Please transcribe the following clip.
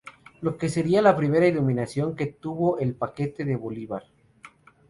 Lo que sería la primera iluminación que tuvo el Parque de Bolívar.